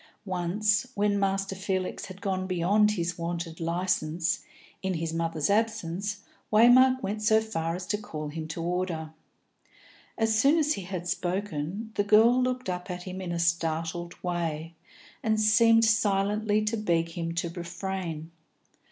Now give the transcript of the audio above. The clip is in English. Once, when Master Felix had gone beyond his wonted licence, in his mother's absence, Waymark went so far as to call him to order. As soon as he had spoken, the girl looked up at him in a startled way, and seemed silently to beg him to refrain.